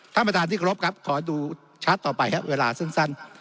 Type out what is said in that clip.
ท่านประธานิกรบครับขอดูชัดต่อไปเวลาสั้น